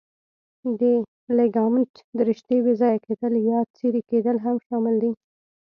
د لیګامنت د رشتې بې ځایه کېدل یا څیرې کېدل هم شامل دي.